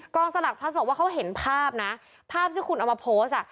สลักพลัสบอกว่าเขาเห็นภาพนะภาพที่คุณเอามาโพสต์